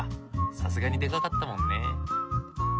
さすがにでかかったもんね。